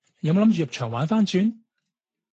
有冇諗住入場玩番轉？